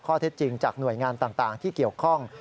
ข้อเท็จจริงจากหน่วยงานต่างที่เกี่ยวข้อง